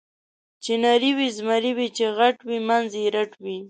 چې نری وي زمری وي، چې غټ وي منځ یې رټ وي.